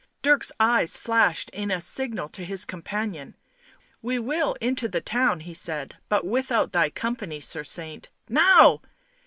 Dirk's eyes flashed a signal to his companion. " We will into the town," he said, " but without thy com pany, Sir Saint, now